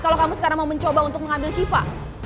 kalau kamu sekarang mau mencoba untuk mengambil sifa